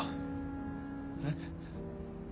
えっ。